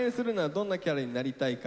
どんなキャラになりたいとか。